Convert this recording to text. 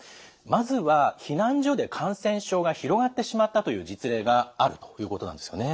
まずは避難所で感染症が広がってしまったという実例があるということなんですよね。